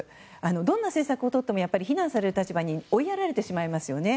どんな政策をとっても非難される立場に追いやられてしまいますよね。